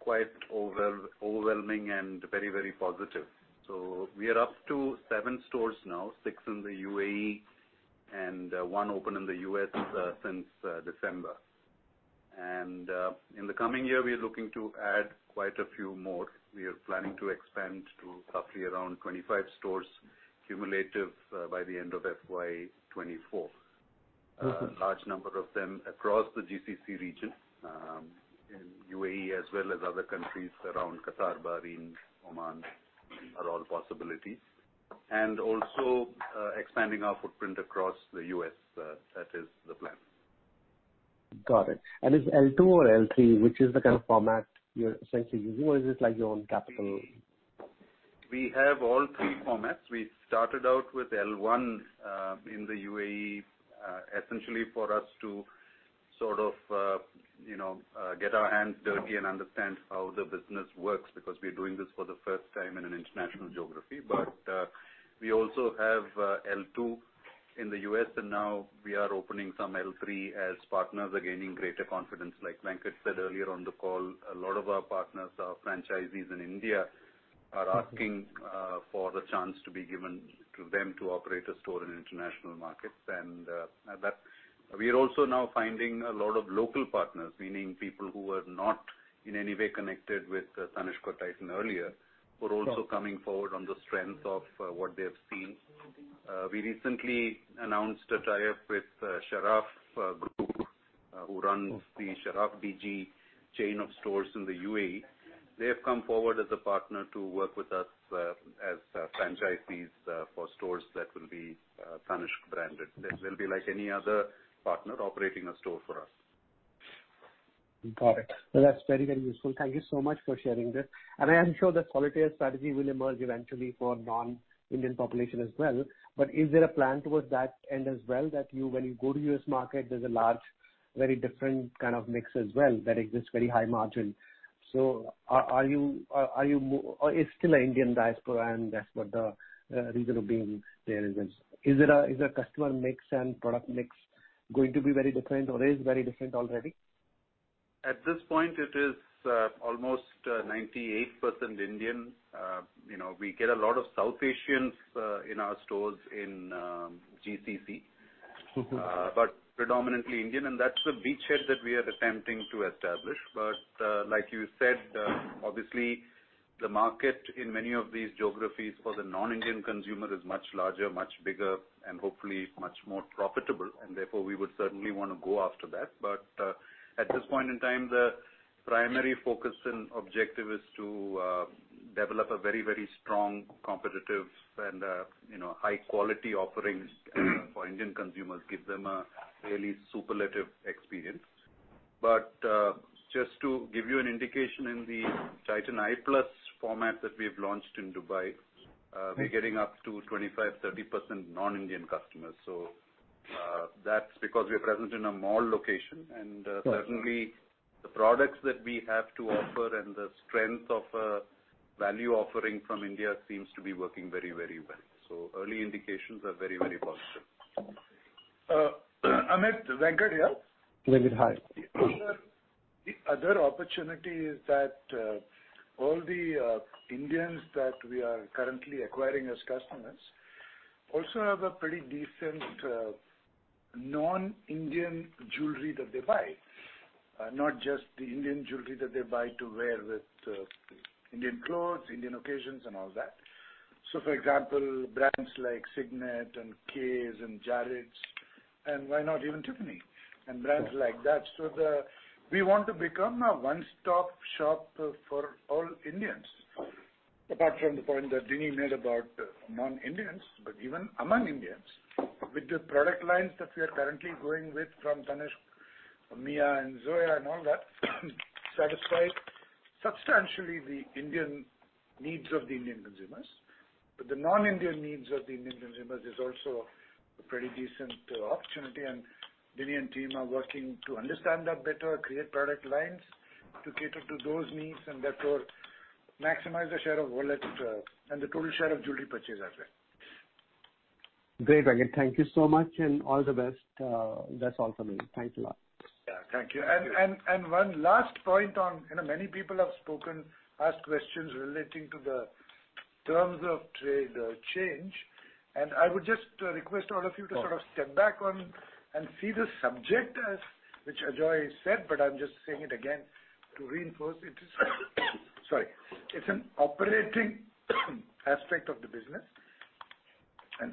quite overwhelming and very, very positive. We are up to seven stores now, six in the UAE and one open in the U.S. since December. In the coming year, we are looking to add quite a few more. We are planning to expand to roughly around 25 stores cumulative by the end of FY 2024. Mm-hmm. A large number of them across the GCC region, in UAE as well as other countries around Qatar, Bahrain, Oman are all possibilities. Also, expanding our footprint across the U.S. That is the plan. Got it. Is L2 or L3, which is the kind of format you're essentially using or is this like your own capital? We have all three formats. We started out with L1 in the UAE, essentially for us to sort of, you know, get our hands dirty and understand how the business works, because we're doing this for the first time in an international geography. We also have L2 in the U.S., and now we are opening some L3 as partners are gaining greater confidence. Like Venkat said earlier on the call, a lot of our partners, our franchisees in India are asking for the chance to be given to them to operate a store in international markets. That. We are also now finding a lot of local partners, meaning people who were not in any way connected with Tanishq or Titan earlier, who are also coming forward on the strength of what they have seen. We recently announced a tie-up with Sharaf Group, who runs the Sharaf DG chain of stores in the UAE. They have come forward as a partner to work with us as franchisees for stores that will be Tanishq branded. They will be like any other partner operating a store for us. Got it. Well, that's very, very useful. Thank you so much for sharing this. I am sure the solitaire strategy will emerge eventually for non-Indian population as well. Is there a plan towards that end as well, that you when you go to U.S. market, there's a large, very different kind of mix as well that exists very high margin? It's still an Indian diaspora and that's what the reason of being there is. Is the customer mix and product mix going to be very different or is very different already? At this point it is, almost, 98% Indian. You know, we get a lot of South Asians, in our stores in, GCC. Mm-hmm. Predominantly Indian, and that's the beachhead that we are attempting to establish. Like you said, obviously the market in many of these geographies for the non-Indian consumer is much larger, much bigger, and hopefully much more profitable, and therefore we would certainly wanna go after that. At this point in time, the primary focus and objective is to develop a very, very strong, competitive and, you know, high quality offerings for Indian consumers, give them a really superlative experience. Just to give you an indication, in the Titan Eye+ format that we've launched in Dubai, we're getting up to 25%-30% non-Indian customers. That's because we're present in a mall location and certainly the products that we have to offer and the strength of a value offering from India seems to be working very, very well. Early indications are very, very positive. Amit, Venkat here. Venkat, hi. The other opportunity is that all the Indians that we are currently acquiring as customers also have a pretty decent non-Indian jewelry that they buy, not just the Indian jewelry that they buy to wear with Indian clothes, Indian occasions and all that. For example, brands like Signet and Kay and Jared, and why not even Tiffany, and brands like that. We want to become a one-stop shop for all Indians. Apart from the point that Denny made about non-Indians, even among Indians. With the product lines that we are currently going with from Tanishq, Mia and Zoya and all that, satisfy substantially the Indian needs of the Indian consumers. The non-Indian needs of the Indian consumers is also a pretty decent opportunity, and Denny and team are working to understand that better, create product lines to cater to those needs, and therefore maximize the share of wallet, and the total share of jewelry purchase as well. Great, Venkat. Thank you so much and all the best. That's all from me. Thanks a lot. Thank you. One last point on, you know, many people have spoken, asked questions relating to the terms of trade change. I would just request all of you to sort of step back on and see the subject as which Ajoy said, but I'm just saying it again to reinforce it. Sorry. It's an operating aspect of the business.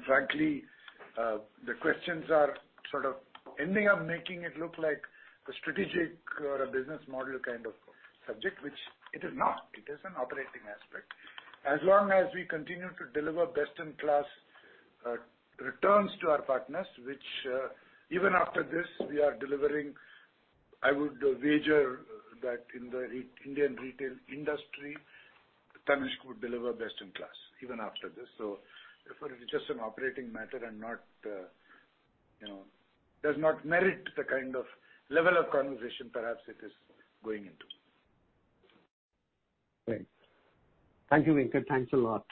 Frankly, the questions are sort of ending up making it look like a strategic or a business model kind of subject, which it is not. It is an operating aspect. As long as we continue to deliver best-in-class returns to our partners, which even after this, we are delivering, I would wager that in the Indian retail industry, Tanishq would deliver best-in-class even after this. Therefore it is just an operating matter and not, you know, does not merit the kind of level of conversation perhaps it is going into. Great. Thank you, Venkat. Thanks a lot.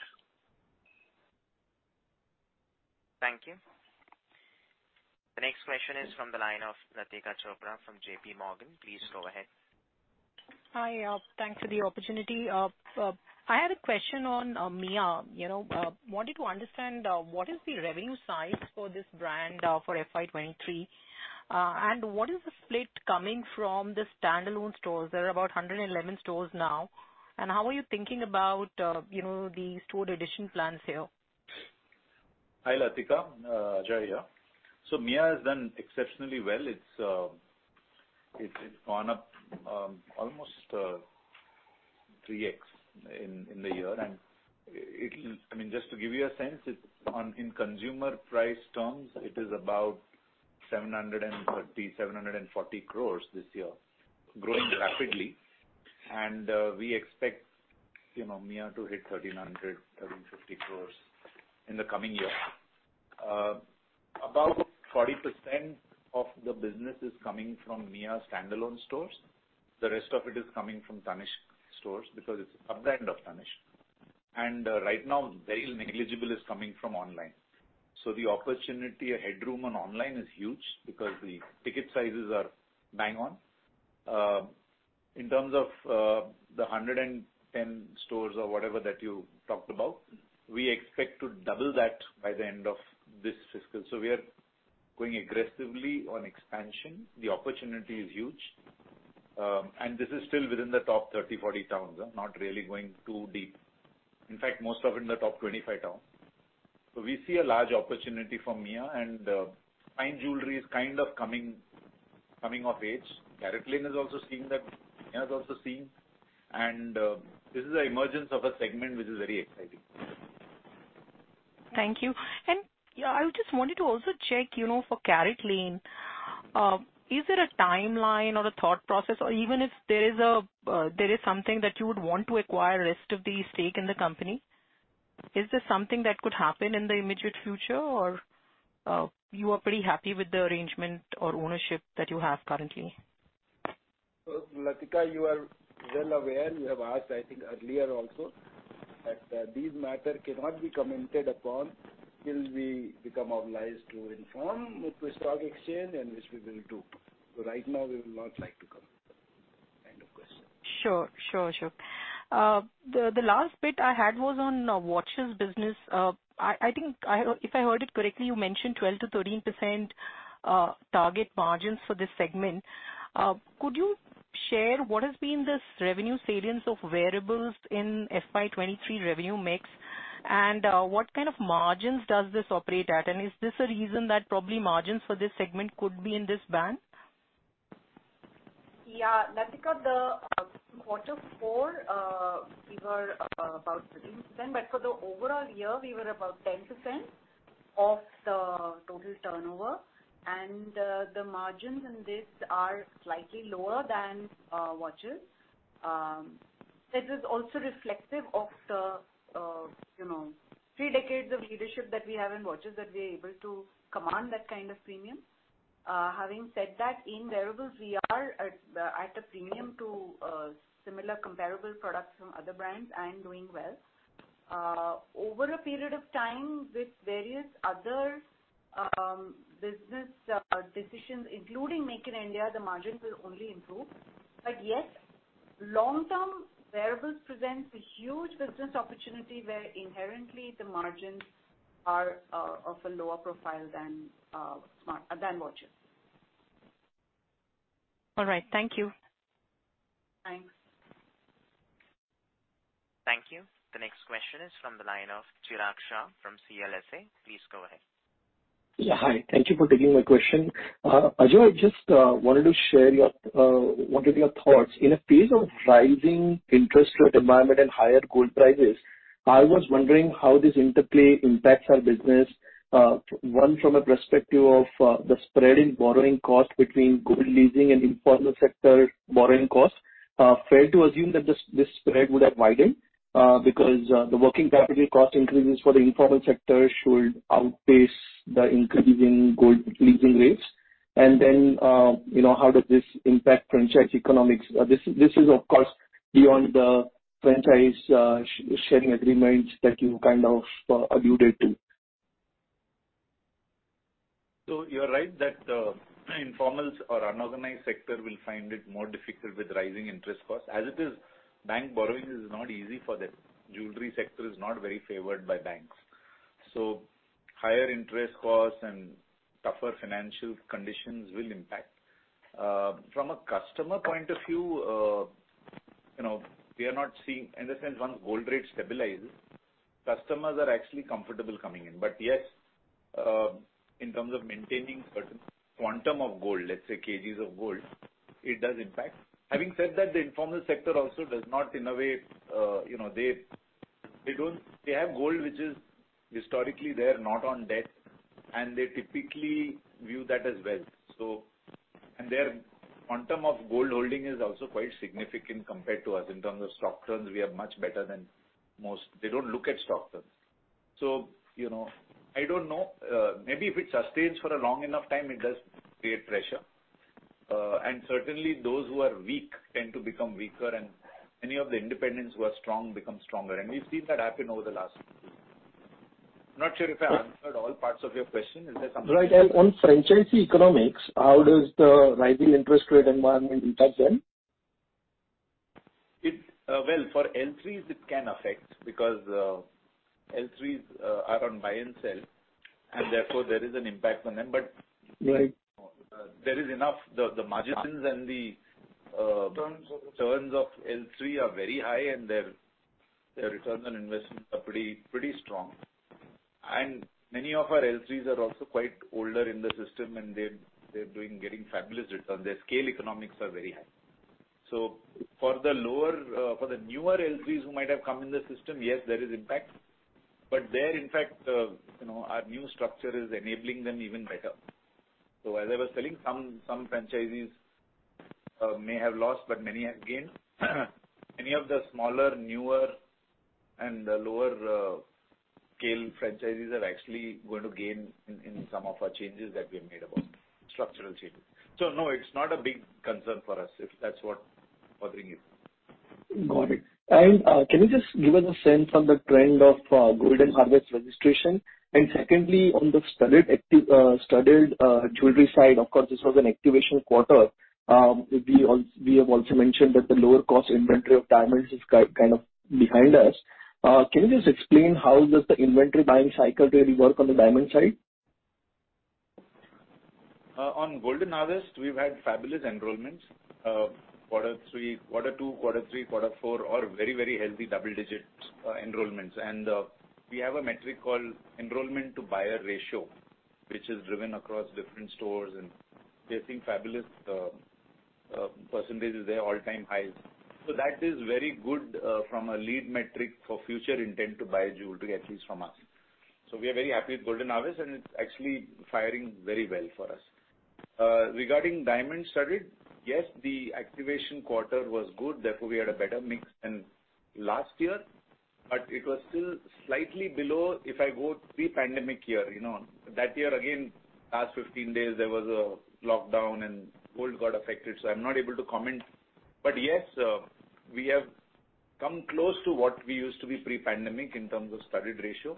Thank you. The next question is from the line of Latika Chopra from J.P. Morgan. Please go ahead. Hi, thanks for the opportunity. I had a question on Mia. You know, wanted to understand what is the revenue size for this brand for FY 2023? What is the split coming from the standalone stores? There are about 111 stores now. How are you thinking about, you know, the store addition plans here? Hi, Latika. Ajoy here. Mia has done exceptionally well. It's gone up almost 3x in the year. I mean, just to give you a sense, in consumer price terms, it is about 730 crores-740 crores this year, growing rapidly. We expect, you know, Mia to hit 1,300 crores-1,350 crores in the coming year. About 40% of the business is coming from Mia standalone stores. The rest of it is coming from Tanishq stores because it's a brand of Tanishq. Right now very negligible is coming from online. The opportunity or headroom on online is huge because the ticket sizes are bang on. In terms of the 110 stores or whatever that you talked about, we expect to double that by the end of this fiscal. We are going aggressively on expansion. The opportunity is huge. This is still within the top 30, 40 towns. Not really going too deep. In fact, most of it in the top 25 towns. We see a large opportunity for Mia and fine jewelry is kind of coming of age. CaratLane is also seeing that. Mia is also seeing. This is an emergence of a segment which is very exciting. Thank you. Yeah, I just wanted to also check, you know, for CaratLane, is there a timeline or a thought process or even if there is something that you would want to acquire rest of the stake in the company, is this something that could happen in the immediate future? You are pretty happy with the arrangement or ownership that you have currently? Look, Latika, you are well aware, and you have asked, I think, earlier also that, these matter cannot be commented upon till we become obliged to inform with the stock exchange, and which we will do. Right now we would not like to comment on that kind of question. Sure. Sure. The last bit I had was on watches business. I think if I heard it correctly, you mentioned 12%-13% target margins for this segment. Could you share what has been this revenue salience of wearables in FY 2023 revenue mix, and what kind of margins does this operate at? And is this a reason that probably margins for this segment could be in this band? Yeah. Latika, the quarter four, we were about 13%, but for the overall year, we were about 10% of the total turnover. The margins in this are slightly lower than watches. This is also reflective of the, you know, three decades of leadership that we have in watches, that we're able to command that kind of premium. Having said that, in wearables we are at a premium to similar comparable products from other brands and doing well. Over a period of time with various other business decisions, including Make in India, the margins will only improve. Yes, long-term wearables presents a huge business opportunity where inherently the margins are of a lower profile than watches. All right. Thank you. Thanks. Thank you. The next question is from the line of Chirag Shah from CLSA. Please go ahead. Yeah, hi. Thank you for taking my question. Ajoy, I just wanted to share your wanted your thoughts. In a phase of rising interest rate environment and higher gold prices, I was wondering how this interplay impacts our business. One, from a perspective of the spread in borrowing cost between gold leasing and informal sector borrowing costs. Fair to assume that this spread would have widened because the working capital cost increases for the informal sector should outpace the increase in gold leasing rates. Then, you know, how does this impact franchise economics? This is of course beyond the franchise sharing agreements that you kind of alluded to. You're right that, informals or unorganized sector will find it more difficult with rising interest costs. As it is, bank borrowing is not easy for them. Jewelry sector is not very favored by banks. Higher interest costs and tougher financial conditions will impact. From a customer point of view, you know, we are not seeing. In the sense once gold rate stabilizes, customers are actually comfortable coming in. Yes, in terms of maintaining certain quantum of gold, let's say kilograms of gold, it does impact. Having said that, the informal sector also does not in a way, you know, they don't. They have gold which is historically there, not on debt, and they typically view that as wealth. Their quantum of gold holding is also quite significant compared to us. In terms of stock turns we are much better than most. They don't look at stock turns. You know, I don't know, maybe if it sustains for a long enough time, it does create pressure. Certainly those who are weak tend to become weaker, and many of the independents who are strong become stronger. We've seen that happen over the last few years. I'm not sure if I answered all parts of your question. Is there something. Right. On franchisee economics, how does the rising interest rate environment impact them? Well, for L3s it can affect because L3s are on buy and sell, and therefore there is an impact on them. Right. There is enough, the margins and the returns of L3 are very high, and their returns on investment are pretty strong. Many of our L3s are also quite older in the system and they're doing, getting fabulous returns. Their scale economics are very high. For the lower for the newer L3s who might have come in the system, yes, there is impact. There, in fact, you know, our new structure is enabling them even better. As I was telling, some franchisees may have lost, but many have gained. Many of the smaller, newer, and lower scale franchises are actually going to gain in some of our changes that we have made about structural changes. No, it's not a big concern for us, if that's what bothering you. Got it. Can you just give us a sense on the trend of Golden Harvest registration? Secondly, on the studded active, studded jewelry side, of course, this was an activation quarter. We have also mentioned that the lower cost inventory of diamonds is kind of behind us. Can you just explain how does the inventory buying cycle really work on the diamond side? On Golden Harvest, we've had fabulous enrollments. Quarter three, quarter two, quarter three, quarter four are very healthy double-digit enrollments. We have a metric called enrollment to buyer ratio, which is driven across different stores, and we are seeing fabulous percentages there, all-time highs. That is very good from a lead metric for future intent to buy jewelry, at least from us. We are very happy with Golden Harvest, and it's actually firing very well for us. Regarding diamond studded, yes, the activation quarter was good, therefore we had a better mix than last year. It was still slightly below if I go pre-pandemic year, you know. That year again, last 15 days there was a lockdown and gold got affected, so I'm not able to comment. Yes, we have come close to what we used to be pre-pandemic in terms of studded ratio.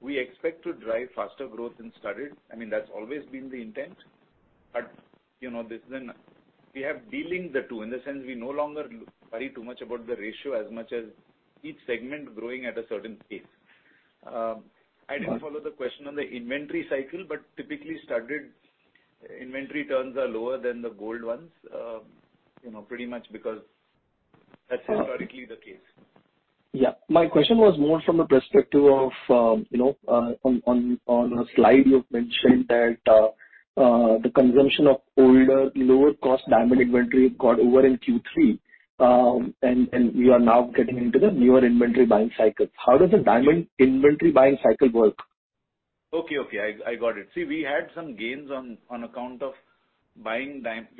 We expect to drive faster growth in studded. I mean, that's always been the intent. You know, this then, we have delinked the two in the sense we no longer worry too much about the ratio as much as each segment growing at a certain pace. I didn't follow the question on the inventory cycle, typically studded inventory turns are lower than the gold ones, you know, pretty much because that's historically the case. Yeah. My question was more from the perspective of, you know, on a slide you've mentioned that the consumption of older, lower cost diamond inventory got over in Q3, and you are now getting into the newer inventory buying cycle. How does the diamond inventory buying cycle work? Okay, I got it. We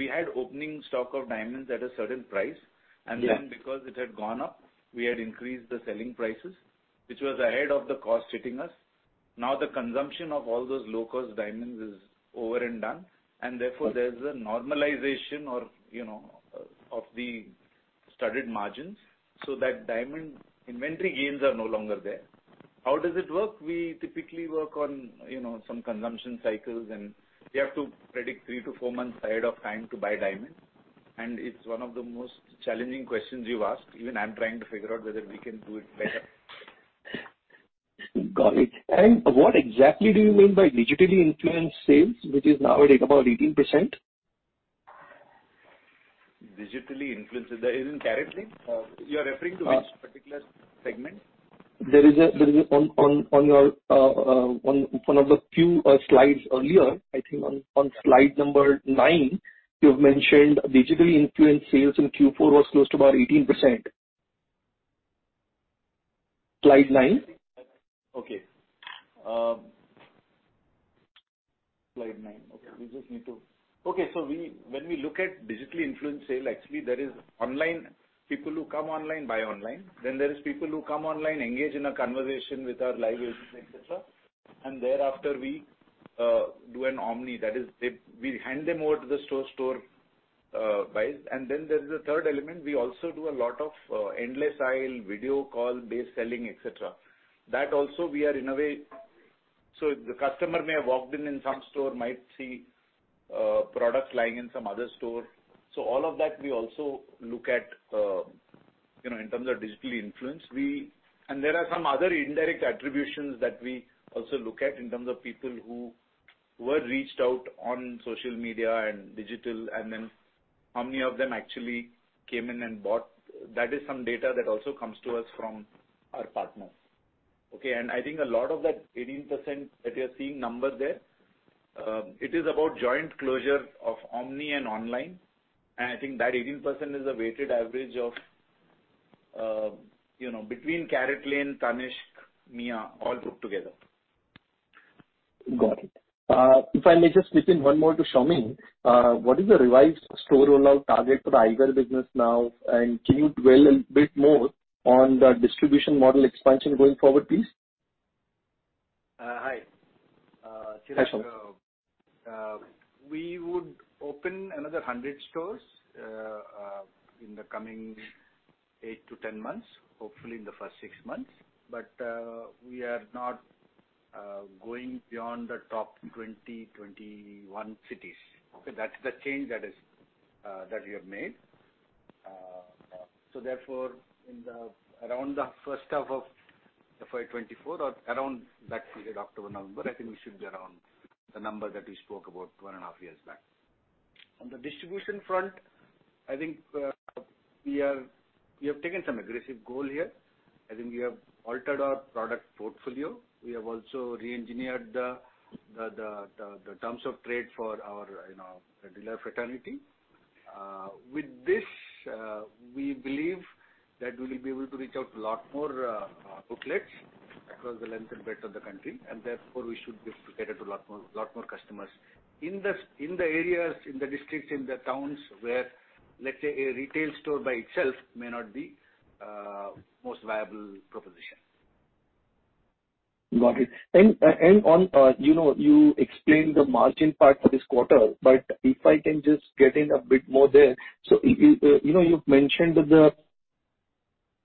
had opening stock of diamonds at a certain price. Yes. Because it had gone up, we had increased the selling prices, which was ahead of the cost hitting us. The consumption of all those low-cost diamonds is over and done, therefore there's a normalization or, you know, of the studded margins so that diamond inventory gains are no longer there. How does it work? We typically work on, you know, some consumption cycles, and we have to predict three to four months ahead of time to buy diamonds. It's one of the most challenging questions you've asked. Even I'm trying to figure out whether we can do it better. Got it. What exactly do you mean by digitally influenced sales, which is now at about 18%? Digitally influenced, that is in CaratLane? You are referring to which particular segment? There is a on your on one of the few slides earlier, I think on slide number nine, you've mentioned digitally influenced sales in Q4 was close to about 18%. Slide nine. Okay. slide nine. Yeah. Okay. We just need to. We, when we look at digitally influenced sale, actually there is online, people who come online buy online. There is people who come online, engage in a conversation with our live agents, et cetera. Thereafter we do an omni. That is they, we hand them over to the store buys. There is a third element. We also do a lot of endless aisle, video call based selling, et cetera. That also we are in a way, so if the customer may have walked in in some store, might see products lying in some other store. All of that we also look at, you know, in terms of digitally influenced. There are some other indirect attributions that we also look at in terms of people who were reached out on social media and digital, and then how many of them actually came in and bought. That is some data that also comes to us from our partners. Okay. I think a lot of that 18% that you're seeing number there, it is about joint closure of omni and online. I think that 18% is a weighted average of, you know, between CaratLane, Tanishq, Mia, all put together. Got it. If I may just slip in one more to Saumen. What is the revised store rollout target for the Eye+ business now, and can you dwell a bit more on the distribution model expansion going forward, please? Hi. Hi, Saumen. We would open another 100 stores, in the coming eight to 10 months, hopefully in the first six months. We are not going beyond the top 20, 21 cities. Okay. That's the change that is that we have made. In the around the first half of the FY 2024 or around that period, October, November, I think we should be around the number that we spoke about one and a half years back. On the distribution front, I think, we have taken some aggressive goal here. I think we have altered our product portfolio. We have also reengineered the terms of trade for our, you know, dealer fraternity. With this, we believe that we will be able to reach out to a lot more booklets across the length and breadth of the country, and therefore we should be able to get it to lot more customers. In the areas, in the districts, in the towns where, let's say, a retail store by itself may not be most viable proposition. Got it. you know, you explained the margin part for this quarter, but if I can just get in a bit more there. you know, you've mentioned that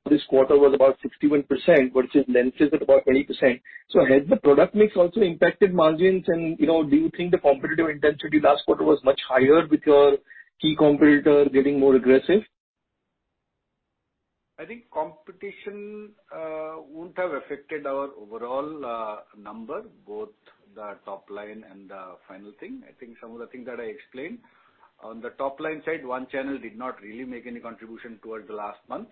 This quarter was about 61%, which is lenses at about 20%. has the product mix also impacted margins? You know, do you think the competitive intensity last quarter was much higher with your key competitor getting more aggressive? I think competition wouldn't have affected our overall number, both the top line and the final thing. I think some of the things that I explained. On the top line side, one channel did not really make any contribution towards the last month,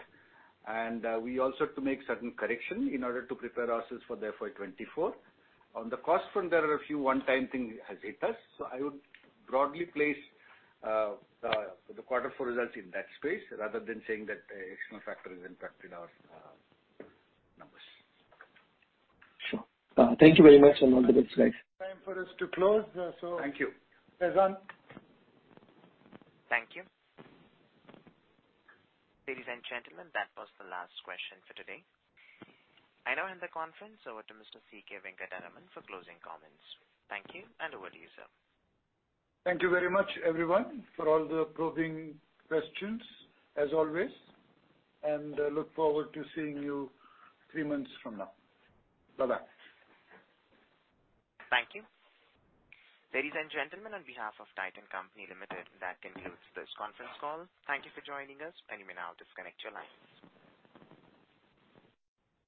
and we also had to make certain correction in order to prepare ourselves for the FY 2024. On the cost front, there are a few one-time thing has hit us. I would broadly place the quarter four results in that space rather than saying that a external factor has impacted our numbers. Sure. Thank you very much, and all the best, guys. Time for us to close. Thank you. Sajan? Thank you. Ladies and gentlemen, that was the last question for today. I now hand the conference over to Mr. C.K. Venkataraman for closing comments. Thank you, and over to you, sir. Thank you very much, everyone, for all the probing questions, as always, and I look forward to seeing you three months from now. Bye-bye. Thank you. Ladies and gentlemen, on behalf of Titan Company Limited, that concludes this conference call. Thank you for joining us, and you may now disconnect your lines.